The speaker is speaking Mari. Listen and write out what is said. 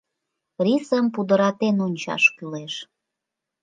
Рисым пудыратен ончаш кӱлеш.